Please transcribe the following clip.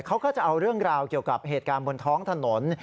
เขาก็จะเอาเรื่องราวเกี่ยวกับเหตุการณ์บนท้องถนน